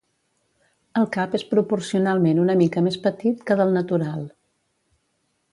El cap és proporcionalment una mica més petit que del natural.